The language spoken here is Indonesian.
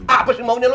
apa sih maunya lu